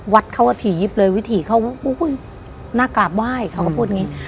วัดเขาก็ถี่ยิบเลยวิถีเขาน่ากราบไหว้เขาก็พูดอย่างนี้